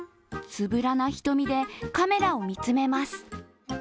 つぶらな瞳でカメラを見つめます。